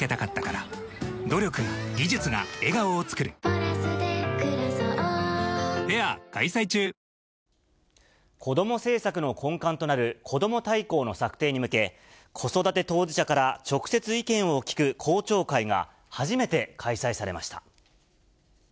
ぷっ事実「特茶」子ども政策の根幹となるこども大綱の策定に向け、子育て当事者から直接意見を聞く公聴会が、初めて開催されました。